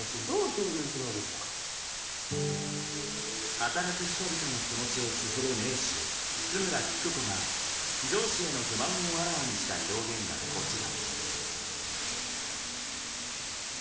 働く人々の気持ちをつづる名手津村記久子が上司への不満をあらわにした表現がこちら。